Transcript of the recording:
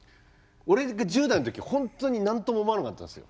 俺が１０代の時ほんとに何とも思わなかったんですよ。